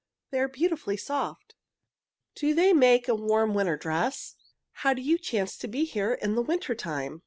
They are beautifully soft. Do they make a warm winter dress? How do you chance to be here in the winter time?